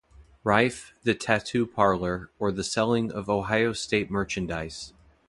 Rife, the tattoo parlor, or the selling of Ohio State merchandise.